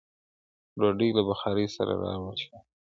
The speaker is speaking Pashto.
ډوډۍ له بخاره سره راوړل شوه.